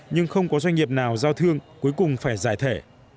nhưng không có doanh nghiệp nào giao thương cuối cùng phải giải thể